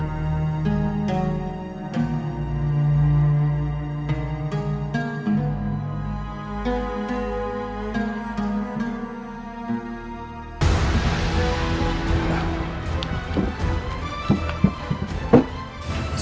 terima kasih banyak